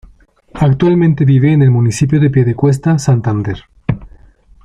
Actualmente vive en el municipio de Piedecuesta, Santander.